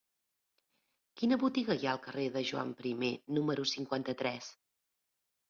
Quina botiga hi ha al carrer de Joan I número cinquanta-tres?